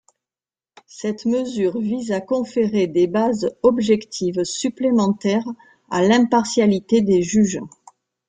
Cette mesure vise à conférer des bases objectives supplémentaires à l'impartialité des juges.